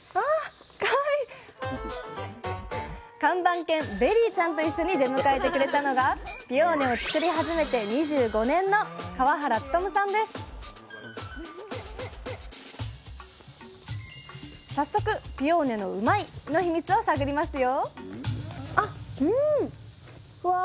看板犬ベリーちゃんと一緒に出迎えてくれたのがピオーネを作り始めて２５年の早速ピオーネのうまいッ！のヒミツを探りますよ！